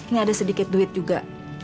ini ada sedikit duit juga